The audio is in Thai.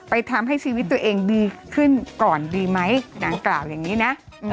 ทำให้ชีวิตตัวเองดีขึ้นก่อนดีไหมนางกล่าวอย่างนี้นะ